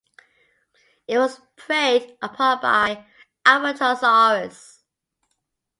It was preyed upon by "Albertosaurus".